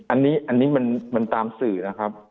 อันนี้มันตามสื่อนะครับ